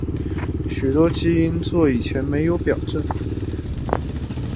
许多基因座以前没有表征。